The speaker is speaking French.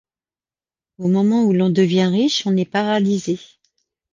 Au moment où l’on devient riche, on est paralysé.